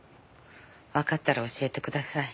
わかったら教えてください。